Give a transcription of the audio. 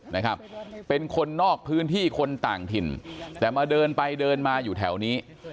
นะครับเป็นคนนอกพื้นที่คนต่างถิ่นแต่มาเดินไปเดินมาอยู่แถวนี้